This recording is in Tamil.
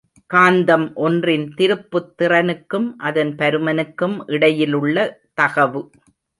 காந்தம் ஒன்றின் திருப்புத் திறனுக்கும், அதன் பருமனுக்கும் இடையிலுள்ள தகவு.